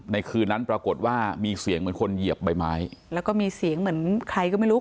คืนนั้นปรากฏว่ามีเสียงเหมือนคนเหยียบใบไม้แล้วก็มีเสียงเหมือนใครก็ไม่รู้